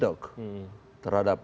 terhadap kebijakan terhadap